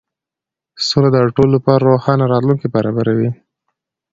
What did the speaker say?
سوله د ټولو لپاره روښانه راتلونکی برابروي.